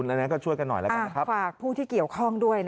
เรนแน่นานก็ช่วยกันหน่อยล่ะครับฝากผู้ที่เกี่ยวข้องด้วย